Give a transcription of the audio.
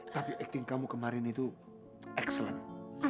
tapi acting kamu kemarin itu excellent